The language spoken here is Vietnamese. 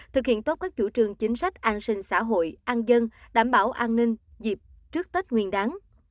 thực hiện tốt các chủ trương chính sách an sinh xã hội an dân đảm bảo an ninh dịp trước tết nguyên đáng